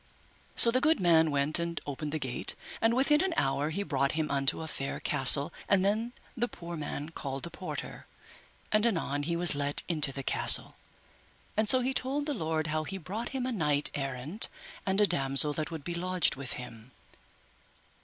So the good man went and opened the gate, and within an hour he brought him unto a fair castle, and then the poor man called the porter, and anon he was let into the castle, and so he told the lord how he brought him a knight errant and a damosel that would be lodged with him.